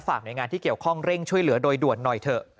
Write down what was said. หน่วยงานที่เกี่ยวข้องเร่งช่วยเหลือโดยด่วนหน่อยเถอะ